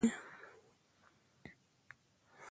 ابن خلاد یو ظریف ادیب سړی په عربو کښي تېر سوى دﺉ.